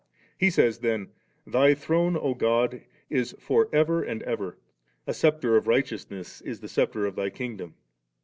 He says then, *Thy throne, O God, is for ever and ever ; a sceptre of righteousness is the sceptre of Thy Kingdom.